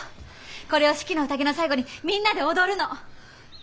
これを「四季の宴」の最後にみんなで踊るの。